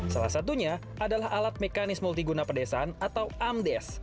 salah satunya adalah alat mekanis multiguna pedesaan atau amdes